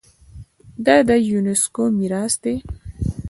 دا د یونیسکو میراث دی.